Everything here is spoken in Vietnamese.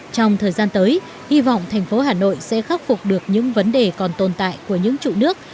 trong thời gian tới hy vọng thành phố hà nội sẽ khắc phục được những vấn đề còn tồn tại của những trụ nước